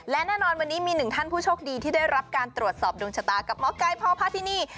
และแน่นอนวันนี้มีหนึ่งท่านผู้โชคดีที่ได้รับการตรวจสอบดวงชะตากับหมอไก่พ่อพาที่นี่